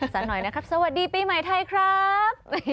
สักหน่อยนะครับสวัสดีปีใหม่ไทยครับ